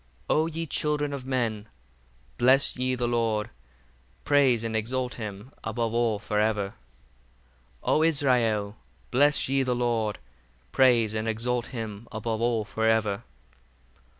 60 O ye children of men, bless ye the Lord: praise and exalt him above all for ever. 61 O Israel, bless ye the Lord: praise and exalt him above all for ever.